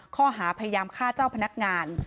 ข้อหาพยายามฆ่าเจ้าพนักงาน